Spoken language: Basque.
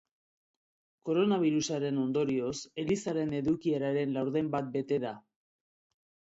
Koronabirusaren ondorioz, elizaren edukieraren laurden bat bete da.